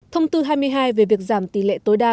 thông tư hai mươi hai về việc giảm tỷ lệ tối đa